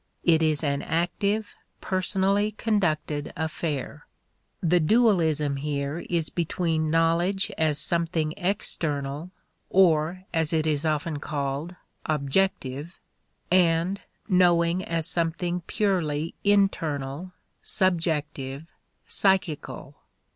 It is an active, personally conducted affair. The dualism here is between knowledge as something external, or, as it is often called, objective, and knowing as something purely internal, subjective, psychical.